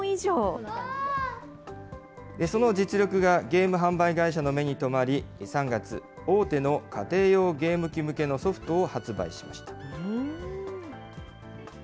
その実力がゲーム販売会社の目に留まり、３月、大手の家庭用ゲーム機向けのソフトを発売しました。